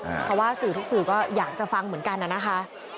เพราะว่าสื่อทุกสื่อก็อยากจะฟังเหมือนกันนะคะ